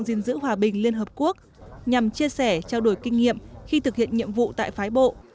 cục dình dữ hòa bình liên hợp quốc nhằm chia sẻ trao đổi kinh nghiệm khi thực hiện nhiệm vụ tại phái bộ